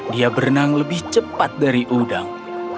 dia berenang lebih cepat dari udang